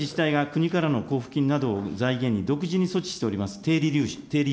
併せて各自治体が国からの交付金などを財源に、独自に措置しております